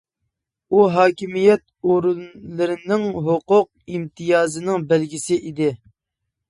ئۇ ھاكىمىيەت ئورۇنلىرىنىڭ ھوقۇق-ئىمتىيازىنىڭ بەلگىسى ئىدى.